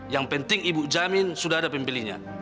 yang penting ibu jamin sudah ada pemilihnya